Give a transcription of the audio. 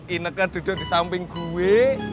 ineknya duduk di samping gue